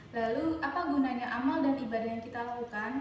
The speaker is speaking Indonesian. lalu apa gunanya amal dan ibadah yang kita lakukan